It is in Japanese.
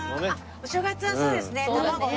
お正月はそうですね。